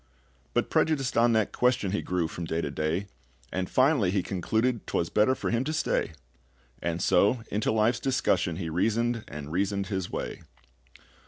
But prejudiced on that question He grew from day to day, And finally he concluded 'Twas better for him to stay; And so into life's discussion he reasoned and reasoned his way.